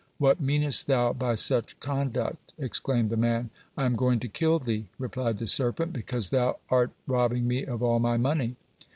"What meanest thou by such conduct?" exclaimed the man. "I am going to kill thee," replied the serpent, "because thou art robbing me of all my money."